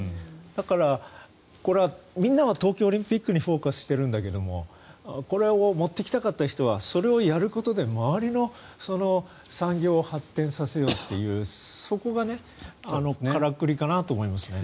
だから、これはみんなは東京オリンピックにフォーカスしているんだけどこれを持ってきたかった人はそれをやることで周りの産業を発展させようというそこがからくりかなと思いますね。